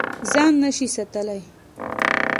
ځان نه شې ساتلی.